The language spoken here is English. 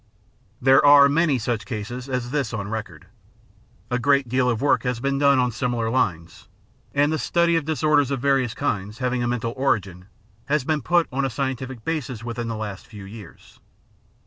There are many such cases as this on record. A great deal of work has been done on similar lines, and the study of disorders of various kinds, having a mental origin, has been put on a scientific basis within the last few years.